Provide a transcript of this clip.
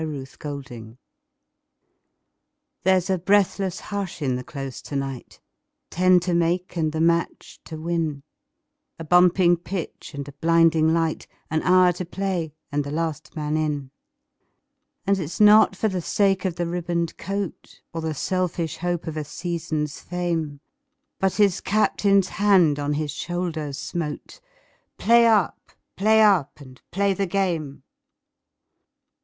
Vitaï Lampada There's a breathless hush in the Close to night Ten to make and the match to win A bumping pitch and a blinding light, An hour to play and the last man in. And it's not for the sake of a ribboned coat, Or the selfish hope of a season's fame, But his Captain's hand on his shoulder smote "Play up! play up! and play the game!"